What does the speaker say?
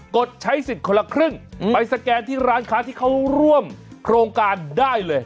ดใช้สิทธิ์คนละครึ่งไปสแกนที่ร้านค้าที่เขาร่วมโครงการได้เลย